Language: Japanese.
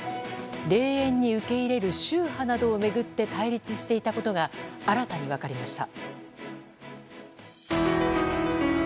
霊園に受け入れる宗派などを巡って対立していたことが新たに分かりました。